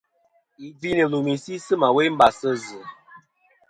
Yì gvi nɨ̀ lùmì si sɨ ma we mbas sɨ zɨ.